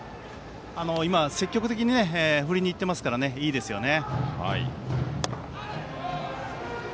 積極的に振りにいってますのでいいですよね。